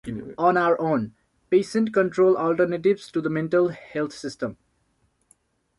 On our own: Patient -controlled alternatives to the mental health system.